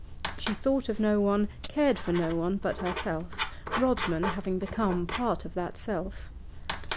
She thought of no one, cared for no one, but herself, Rodman having become part of that self.